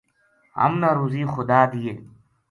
ہم نا روزی خدا دیے